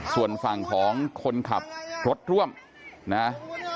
ส่วนฝั่งของคนขับรถร่วมนะ